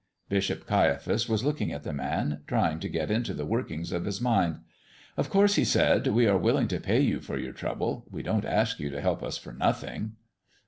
Bishop Caiaphas was looking at the man, trying to get into the workings of his mind. "Of course," he said, "we are willing to pay you for your trouble. We don't ask you to help us for nothing."